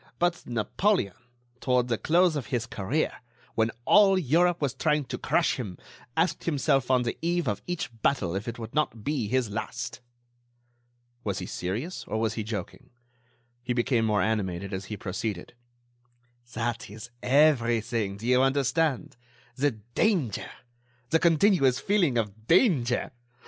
But Napoleon, toward the close of his career, when all Europe was trying to crush him, asked himself on the eve of each battle if it would not be his last." Was he serious? Or was he joking? He became more animated as he proceeded: "That is everything, do you understand, the danger! The continuous feeling of danger!